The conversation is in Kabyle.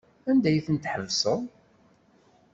Anda ay ten-tḥebseḍ?